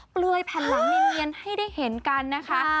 เปลือยแผ่นหลังเนียนให้ได้เห็นกันนะคะ